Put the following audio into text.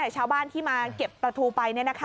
ชาวบ้านที่มาเก็บประทูไปนี่นะคะ